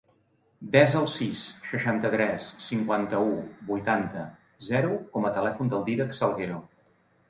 Desa el sis, seixanta-tres, cinquanta-u, vuitanta, zero com a telèfon del Dídac Salguero.